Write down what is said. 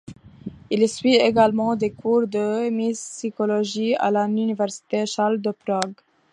Il suit également des cours de musicologie à l'Université Charles de Prague.